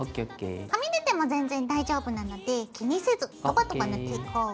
はみ出ても全然大丈夫なので気にせずドバドバ塗っていこう。